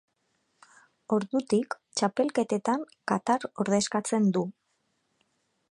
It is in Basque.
Ordutik, txapelketetan Qatar ordezkatzen du.